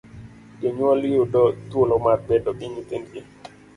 Jonyuol yudo thuolo mar bedo gi nyithindgi.